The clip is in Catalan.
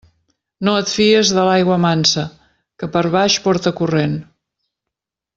No et fies de l'aigua mansa, que per baix porta corrent.